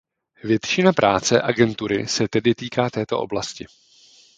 Většina práce agentury se tedy týká této oblasti.